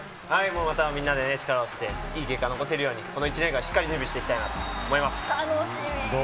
またみんなで力を合わせていい結果残せるようにこの１年間、しっかり準備していきたいなと思楽しみー。